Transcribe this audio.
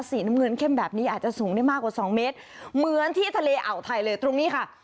สีน้ำเงินเข้มแบบนี้อาจจะสูงได้มากกว่าสองเมตรเหมือนที่ทะเลอ่าวไทยเลยตรงนี้ค่ะ